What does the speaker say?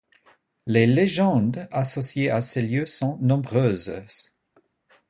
Les légendes associées à ce lieu sont nombreuses.